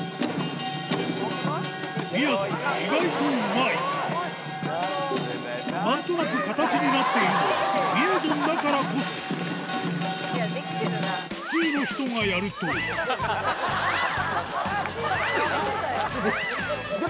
みやぞん意外とうまいなんとなく形になっているのはみやぞんだからこそ普通の人がやるとお母さん？